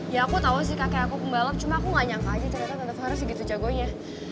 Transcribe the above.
ya aku tau sih kakek aku pembalap cuma aku gak nyangka aja ternyata tante farah sih gitu jagonya